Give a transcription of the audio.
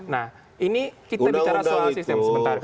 nah ini kita bicara soal sistem sementara